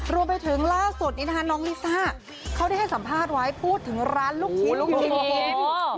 รวมไปถึงล่าสุดนี้นะคะน้องลิซ่าเขาได้ให้สัมภาษณ์ไว้พูดถึงร้านลูกชิ้นลูกชิ้นกิน